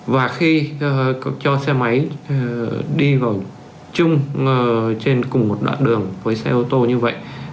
và khi cho xe máy đi vào chung trên cùng một đoạn đường với xe ô tô như vậy